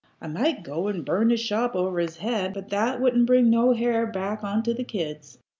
I might go and burn his shop over his head, but that wouldn't bring no hair back onto the kids.